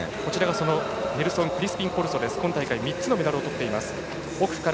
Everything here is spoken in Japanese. そのネルソン・クリスピンコルソは今大会３つのメダルをとってます。